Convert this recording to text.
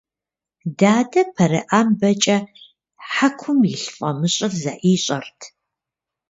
Дадэ пэрыӏэмбэкӏэ хьэкум илъ фӏамыщӏыр зэӏищӏэрт.